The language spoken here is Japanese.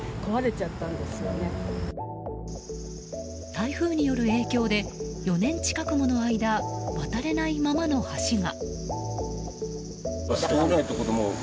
台風による影響で４年近くもの間渡れないままの橋が。